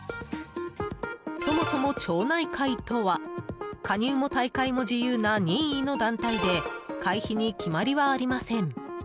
そもそも町内会とは加入も退会も自由な任意の団体で会費に決まりはありません。